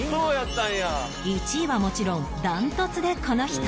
１位はもちろん断トツでこの人